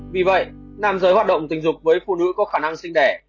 vì vậy nam giới hoạt động tình dục với phụ nữ có khả năng sinh đẻ